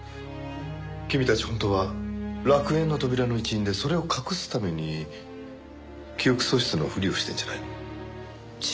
君たち本当は楽園の扉の一員でそれを隠すために記憶喪失のふりをしてるんじゃないの？